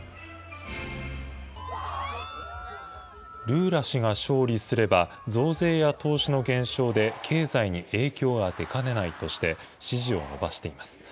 ルーラ氏が勝利すれば、増税や投資の減少で経済に影響が出かねないとして、支持を伸ばしています。